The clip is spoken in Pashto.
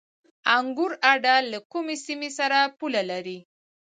انګور اډه له کومې سیمې سره پوله لري؟